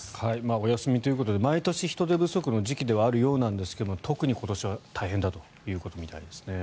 お休みということで毎年人手不足の時期ではあるようなんですが特に今年は大変だということみたいですね。